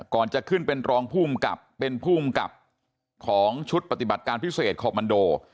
ก่อนจะขึ้นเป็นรองภูมิกับเป็นภูมิกับของชุดปฏิบัติการพิเศษคอมมันโด